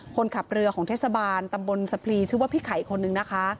คนขับเรือของเทศบาลตำบลสะพลีชื่อว่าพี่ไข่คนนึงนะคะ